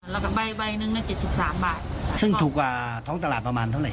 แล้วก็ใบหนึ่งนะ๗๓บาทซึ่งถูกกว่าท้องตลาดประมาณเท่าไหร่